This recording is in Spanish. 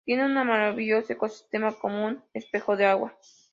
Tienen un maravilloso ecosistema, como un espejo de agua.